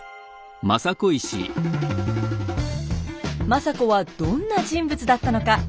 政子はどんな人物だったのか。